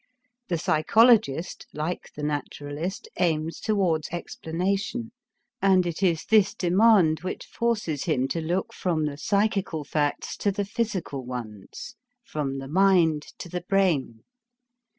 The psychologist, like the naturalist, aims towards explanation, and it is this demand which forces him to look from the psychical facts to the physical ones, from the mind to the brain.